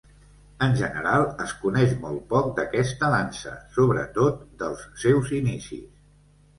En general es coneix molt poc d'aquesta dansa, sobretot dels seus inicis.